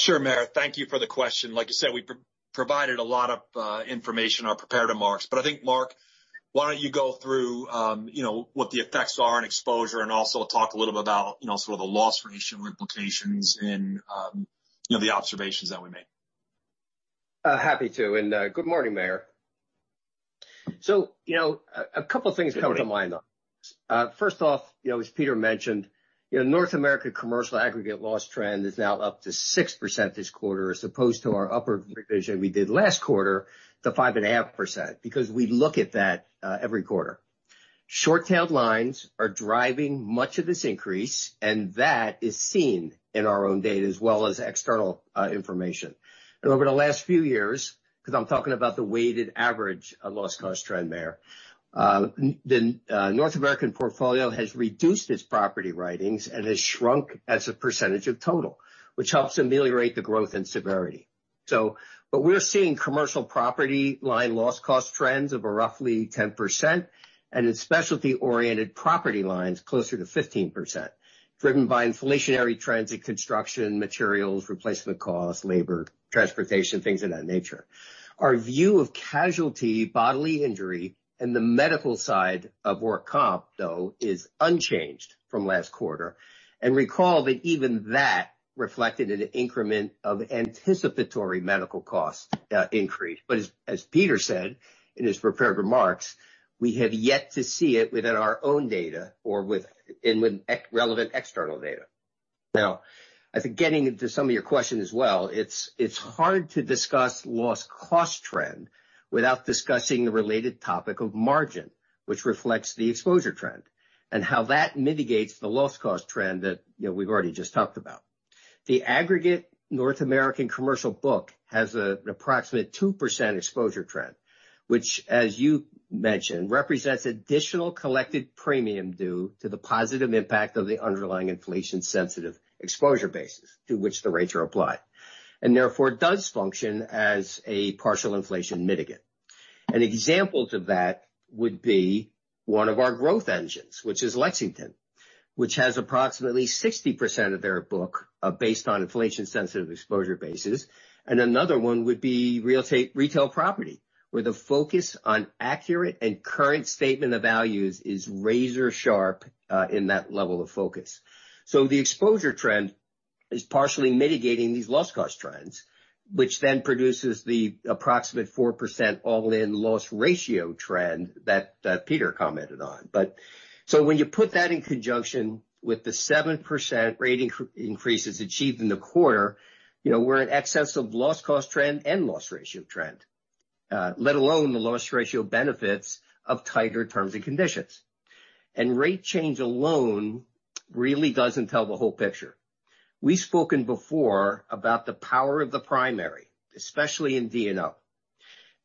Sure, Meyer. Thank you for the question. Like you said, we provided a lot of information on prepared remarks, but I think, Mark, why don't you go through, you know, what the effects are on exposure and also talk a little bit about, you know, sort of the loss ratio implications and, you know, the observations that we made. Happy to. Good morning, Meyer. You know, a couple things come to mind on this. First off, you know, as Peter mentioned, you know, North America Commercial aggregate loss trend is now up to 6% this quarter as opposed to our upper revision we did last quarter to 5.5%, because we look at that every quarter. Short-tailed lines are driving much of this increase, and that is seen in our own data as well as external information. Over the last few years, 'cause I'm talking about the weighted average of loss cost trend, Meyer, the North American portfolio has reduced its property writings and has shrunk as a percentage of total, which helps ameliorate the growth and severity. We're seeing commercial property line loss cost trends of a roughly 10% and in specialty-oriented property lines closer to 15%, driven by inflationary trends in construction, materials, replacement costs, labor, transportation, things of that nature. Our view of casualty, bodily injury, and the medical side of work comp, though, is unchanged from last quarter. Recall that even that reflected an increment of anticipatory medical cost increase. As Peter said in his prepared remarks, we have yet to see it within our own data or in relevant external data. Now, I think getting into some of your questions as well, it's hard to discuss loss cost trend without discussing the related topic of margin, which reflects the exposure trend and how that mitigates the loss cost trend that, you know, we've already just talked about. The aggregate North America Commercial book has an approximate 2% exposure trend, which, as you mentioned, represents additional collected premium due to the positive impact of the underlying inflation-sensitive exposure bases to which the rates are applied. Therefore, it does function as a partial inflation mitigant. An example to that would be one of our growth engines, which is Lexington, which has approximately 60% of their book based on inflation-sensitive exposure bases. Another one would be retail property, where the focus on accurate and current statement of values is razor sharp in that level of focus. The exposure trend is partially mitigating these loss cost trends, which then produces the approximate 4% all-in loss ratio trend that Peter commented on. When you put that in conjunction with the 7% rate increases achieved in the quarter, you know, we're in excess of loss cost trend and loss ratio trend, let alone the loss ratio benefits of tighter terms and conditions. Rate change alone really doesn't tell the whole picture. We've spoken before about the power of the primary, especially in D&O.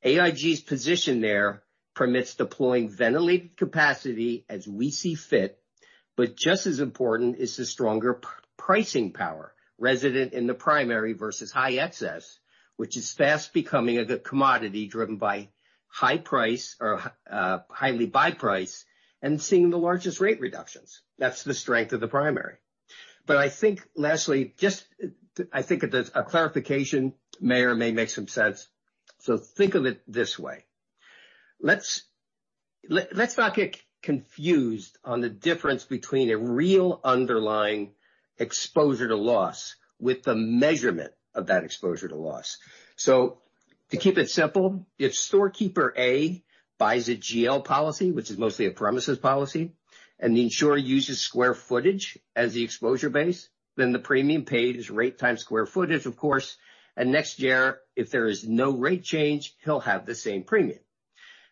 AIG's position there permits deploying allocated capacity as we see fit, but just as important is the stronger pricing power resident in the primary versus high excess, which is fast becoming a good commodity driven by high supply or highly buyer-driven prices and seeing the largest rate reductions. That's the strength of the primary. I think, Leslie, just, I think a clarification may make some sense. Think of it this way. Let's not get confused on the difference between a real underlying exposure to loss with the measurement of that exposure to loss. To keep it simple, if storekeeper A buys a GL policy, which is mostly a premises policy, and the insurer uses square footage as the exposure base, then the premium paid is rate times square footage, of course. Next year, if there is no rate change, he'll have the same premium.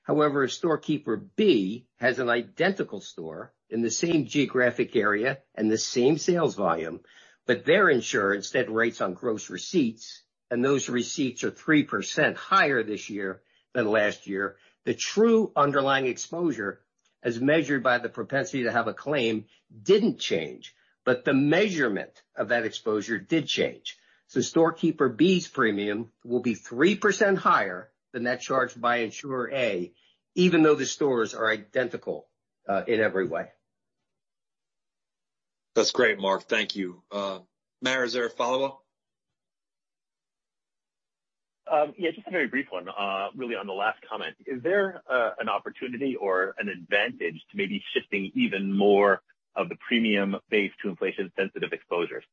However, if storekeeper B has an identical store in the same geographic area and the same sales volume, but their insurer instead rates on gross receipts, and those receipts are 3% higher this year than last year, the true underlying exposure, as measured by the propensity to have a claim, didn't change, but the measurement of that exposure did change. Storekeeper B's premium will be 3% higher than that charged by insurer A, even though the stores are identical, in every way. That's great, Mark. Thank you. Meyer, is there a follow-up? Yeah, just a very brief one, really on the last comment. Is there an opportunity or an advantage to maybe shifting even more of the premium base to inflation-sensitive exposures?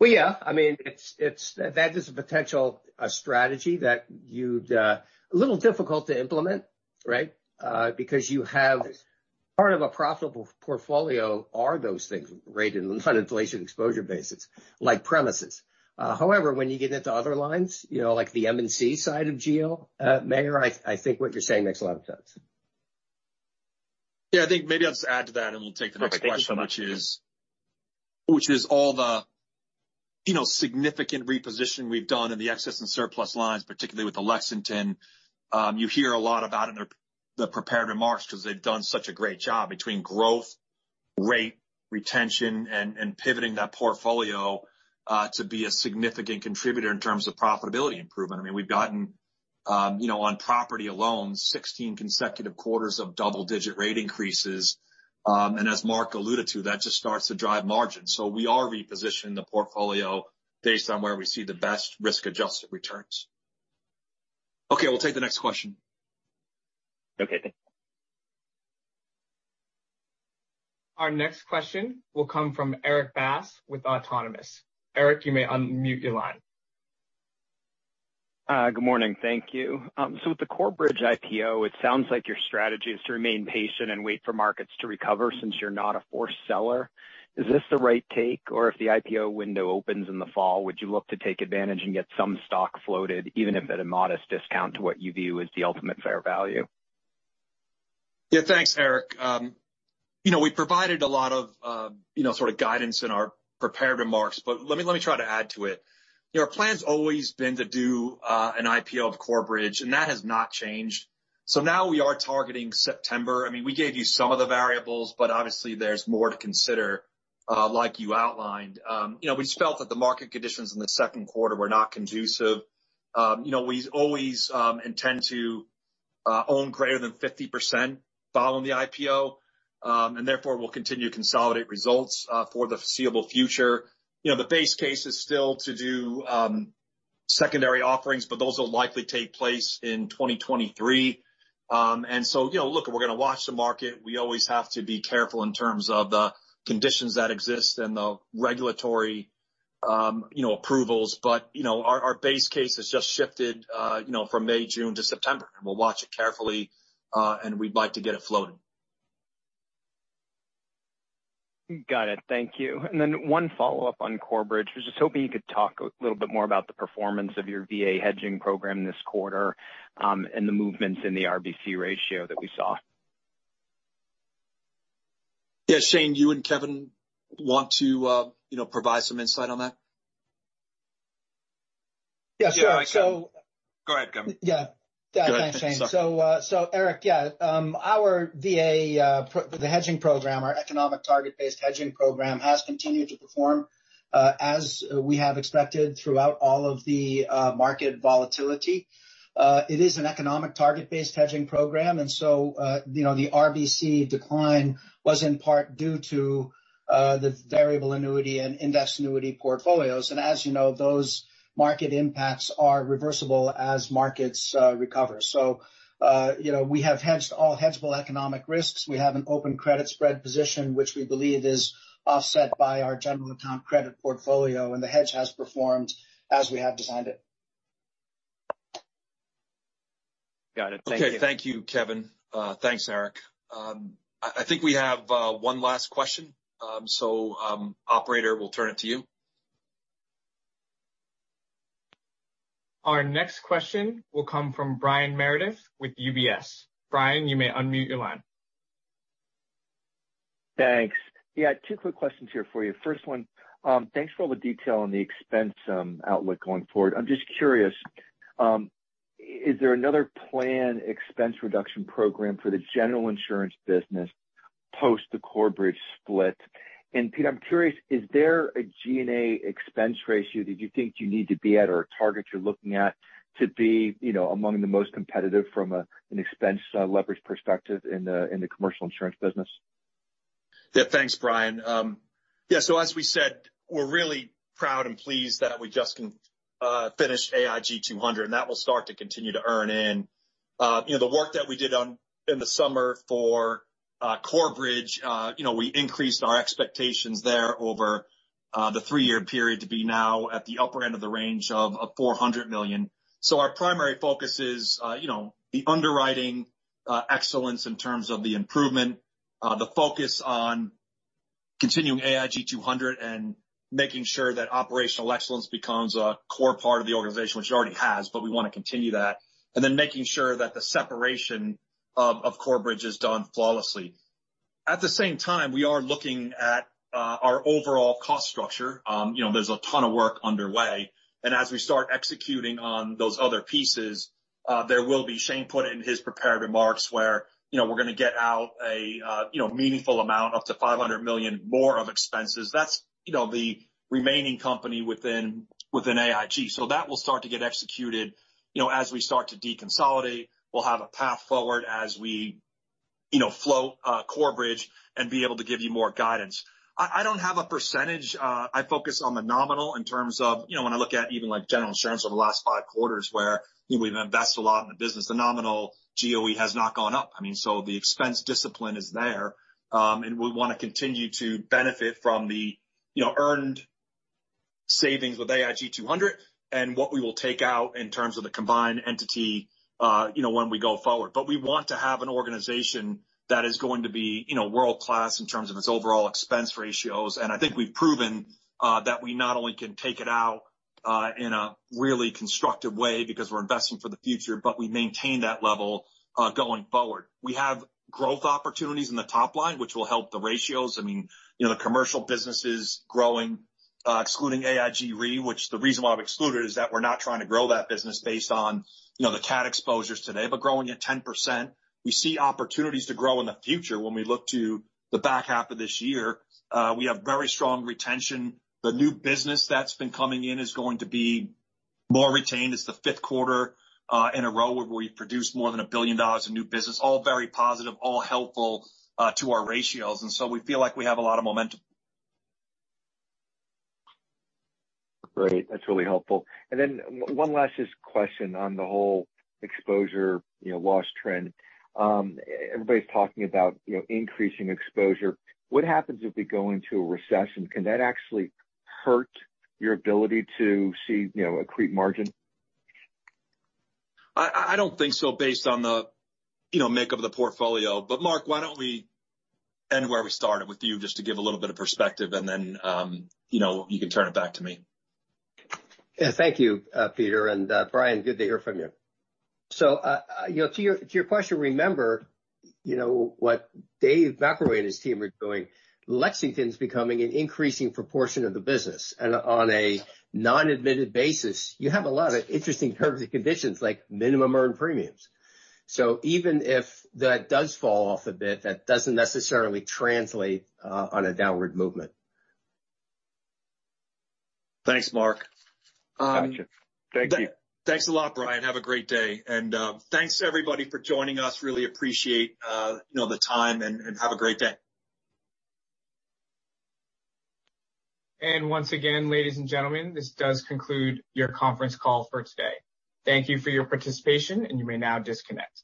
Well, yeah. I mean, it is a potential strategy that you'd find a little difficult to implement, right? Because you have part of a profitable portfolio are those things rated on inflation exposure bases, like premises. However, when you get into other lines, you know, like the M&C side of GL, Meyer, I think what you're saying makes a lot of sense. Yeah, I think maybe I'll just add to that, and we'll take the next question. Perfect. Thank you so much. which is all the, you know, significant reposition we've done in the excess and surplus lines, particularly with the Lexington. You hear a lot about it in the prepared remarks 'cause they've done such a great job between growth, rate, retention, and pivoting that portfolio to be a significant contributor in terms of profitability improvement. I mean, we've gotten, you know, on property alone, 16 consecutive quarters of double-digit rate increases. As Mark alluded to, that just starts to drive margin. We are repositioning the portfolio based on where we see the best risk-adjusted returns. Okay, we'll take the next question. Okay. Thank you. Our next question will come from Erik Bass with Autonomous. Erik, you may unmute your line. Good morning. Thank you. With the Corebridge IPO, it sounds like your strategy is to remain patient and wait for markets to recover since you're not a forced seller. Is this the right take? Or if the IPO window opens in the fall, would you look to take advantage and get some stock floated, even if at a modest discount to what you view as the ultimate fair value? Yeah, thanks, Eric. You know, we provided a lot of, you know, sort of guidance in our prepared remarks, but let me try to add to it. You know, our plan's always been to do an IPO of Corebridge, and that has not changed. Now we are targeting September. I mean, we gave you some of the variables, but obviously there's more to consider, like you outlined. You know, we just felt that the market conditions in the second quarter were not conducive. You know, we always intend to own greater than 50% following the IPO, and therefore will continue to consolidate results for the foreseeable future. You know, the base case is still to do secondary offerings, but those will likely take place in 2023. You know, look, we're gonna watch the market. We always have to be careful in terms of the conditions that exist and the regulatory, you know, approvals. You know, our base case has just shifted, you know, from May, June to September. We'll watch it carefully, and we'd like to get it floating. Got it. Thank you. One follow-up on Corebridge. I was just hoping you could talk a little bit more about the performance of your VA hedging program this quarter, and the movements in the RBC ratio that we saw. Yeah. Shane, you and Kevin want to, you know, provide some insight on that? Yeah. Sure. Go ahead, Kevin. Yeah. Thanks, Shane. Eric, our VA, the hedging program, our economic target-based hedging program, has continued to perform as we have expected throughout all of the market volatility. It is an economic target-based hedging program, and so you know, the RBC decline was in part due to the variable annuity and indexed annuity portfolios. As you know, those market impacts are reversible as markets recover. You know, we have hedged all hedgeable economic risks. We have an open credit spread position, which we believe is offset by our general account credit portfolio, and the hedge has performed as we have designed it. Got it. Thank you. Okay. Thank you, Kevin. Thanks, Eric. I think we have one last question. Operator, we'll turn it to you. Our next question will come from Brian Meredith with UBS. Brian, you may unmute your line. Thanks. Yeah, two quick questions here for you. First one, thanks for all the detail on the expense outlook going forward. I'm just curious, is there another planned expense reduction program for the general insurance business post the Corebridge split? Peter, I'm curious, is there a G&A expense ratio that you think you need to be at or a target you're looking at to be, you know, among the most competitive from an expense leverage perspective in the commercial insurance business? Yeah. Thanks, Brian. As we said, we're really proud and pleased that we just finished AIG 200, and that will start to continue to earn in. You know, the work that we did in the summer for Corebridge, you know, we increased our expectations there over the three year period to be now at the upper end of the range of $400 million. Our primary focus is you know the underwriting excellence in terms of the improvement, the focus on continuing AIG 200 and making sure that operational excellence becomes a core part of the organization, which it already has, but we wanna continue that. Making sure that the separation of Corebridge is done flawlessly. At the same time, we are looking at our overall cost structure. You know, there's a ton of work underway. As we start executing on those other pieces, there will be, Shane put it in his prepared remarks, where, you know, we're gonna get out a, you know, meaningful amount, up to $500 million more of expenses. That's, you know, the remaining company within AIG. That will start to get executed, you know, as we start to deconsolidate. We'll have a path forward as we, you know, float Corebridge and be able to give you more guidance. I don't have a percentage. I focus on the nominal in terms of, you know, when I look at even, like, General Insurance over the last 5 quarters, where, you know, we've invested a lot in the business, the nominal GOE has not gone up. I mean, the expense discipline is there, and we want to continue to benefit from the, you know, earned savings with AIG 200 and what we will take out in terms of the combined entity, you know, when we go forward. We want to have an organization that is going to be, you know, world-class in terms of its overall expense ratios. I think we've proven that we not only can take it out in a really constructive way because we're investing for the future, but we maintain that level going forward. We have growth opportunities in the top line, which will help the ratios. I mean, you know, the commercial business is growing, excluding AIG Re, which the reason why I've excluded is that we're not trying to grow that business based on, you know, the CAT exposures today, but growing at 10%. We see opportunities to grow in the future when we look to the back half of this year. We have very strong retention. The new business that's been coming in is going to be more retained. It's the fifth quarter in a row where we've produced more than $1 billion in new business, all very positive, all helpful to our ratios. We feel like we have a lot of momentum. Great. That's really helpful. One last just question on the whole exposure, you know, loss trend. Everybody's talking about, you know, increasing exposure. What happens if we go into a recession? Can that actually hurt your ability to see, you know, accrete margin? I don't think so based on the, you know, makeup of the portfolio. Mark, why don't we end where we started with you, just to give a little bit of perspective, and then, you know, you can turn it back to me. Yeah. Thank you, Peter. Brian, good to hear from you. You know, to your question, remember, you know, what David McElroy and his team are doing, Lexington's becoming an increasing proportion of the business. On a non-admitted basis, you have a lot of interesting terms and conditions like minimum earned premiums. Even if that does fall off a bit, that doesn't necessarily translate on a downward movement. Thanks, Mark. Gotcha. Thank you. Thanks a lot, Brian. Have a great day. Thanks everybody for joining us. Really appreciate, you know, the time and have a great day. Once again, ladies and gentlemen, this does conclude your conference call for today. Thank you for your participation, and you may now disconnect.